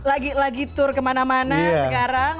lagi lagi tour kemana mana sekarang